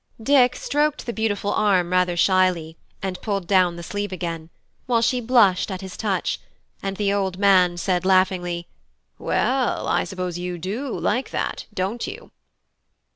Dick stroked the beautiful arm rather shyly, and pulled down the sleeve again, while she blushed at his touch; and the old man said laughingly: "Well, I suppose you do like that; don't you?"